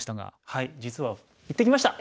はい実は行ってきました！